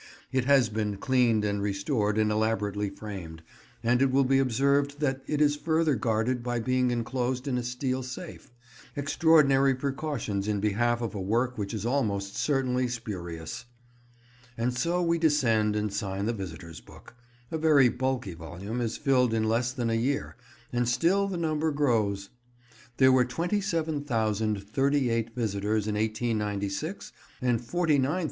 It has been cleaned and restored and elaborately framed, and it will be observed that it is further guarded by being enclosed in a steel safe: extraordinary precautions in behalf of a work which is almost certainly spurious. And so we descend and sign the visitors' book. A very bulky volume is filled in less than a year, and still the number grows. There were 27,038 visitors in 1896, and 49,117 in 1910.